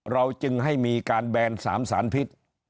เราจึงให้มีการแบน๓สารพิษ